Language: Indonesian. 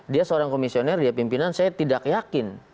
dia seorang komisioner dia pimpinan saya tidak yakin